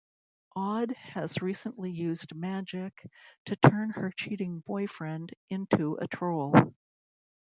Aud has recently used magic to turn her cheating boyfriend into a troll.